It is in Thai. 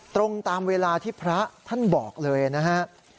ตรงตามเวลาที่พระท่านบอกเลยนะฮะ